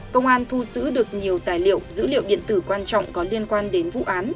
công an thu giữ được nhiều tài liệu dữ liệu điện tử quan trọng có liên quan đến vụ án